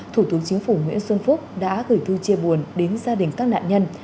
thủ tướng chính phủ nguyễn xuân phúc đã gửi thư chia buồn đến gia đình các nạn nhân